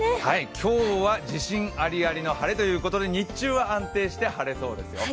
今日は自信アリアリの晴れということで、日中は安定して晴れそうですよ。